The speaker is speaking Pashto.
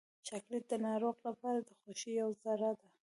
چاکلېټ د ناروغ لپاره د خوښۍ یوه ذره ده.